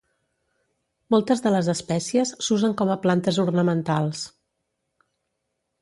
Moltes de les espècies s'usen com a plantes ornamentals.